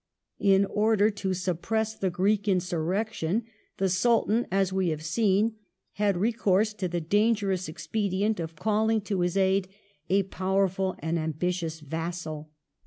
In order to suppress the Greek insunection, the Sulbm, as we have seen, had recouree to the dangerous expedient of calling to his aid a powerful ftnd ambitious vassal.